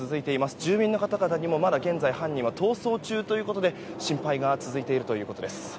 住民の方々にもまだ現在犯人は逃走中ということで心配が続いているということです。